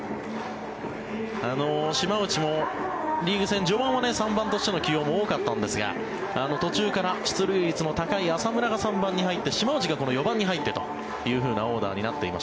島内もリーグ戦序盤は３番としての起用も多かったんですが途中から出塁率も高い浅村が３番に入って島内が４番に入ってというオーダーになっています。